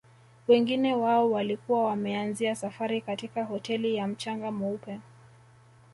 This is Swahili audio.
Wengi wao walikuwa wameanzia safari katika hoteli ya mchanga mweupe